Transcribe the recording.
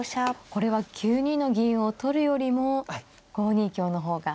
これは９二の銀を取るよりも５二香の方が。